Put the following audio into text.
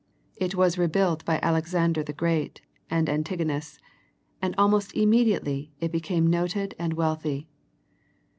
It was rebuilt by Alexander the Great and Antigonus, and almost immediately it became noted and wealthy.